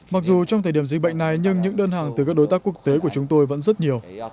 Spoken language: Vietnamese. mặc dù trong thời điểm dịch bệnh này nhưng những đơn hàng từ các đối tác quốc tế của chúng tôi vẫn rất nhiều